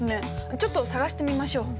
ちょっと探してみましょう。